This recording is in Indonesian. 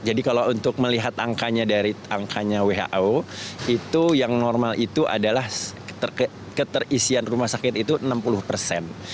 jadi kalau untuk melihat angkanya dari angkanya who itu yang normal itu adalah keterisian rumah sakit itu enam puluh persen